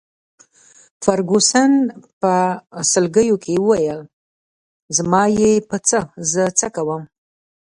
فرګوسن په سلګیو کي وویل: زما يې په څه، زه څه کوم.